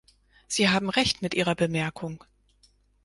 Sie haben recht mit Ihrer Bemerkung.